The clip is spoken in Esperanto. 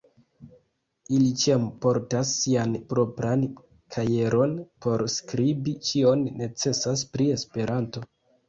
Ili ĉiam portas sian propran kajeron por skribi ĉion necesan pri Esperanto.